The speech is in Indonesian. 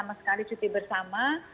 sama sekali cuti bersama